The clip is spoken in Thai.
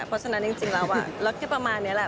เพราะฉะนั้นจริงแล้วเราคิดประมาณนี้แหละ